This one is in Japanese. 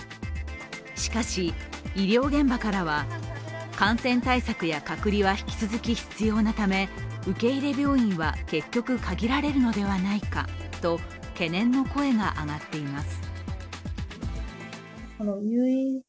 しかし、医療現場からは、感染対策や隔離は引き続き必要なため、受け入れ病院は結局限られるのではないかと懸念の声が上がっています。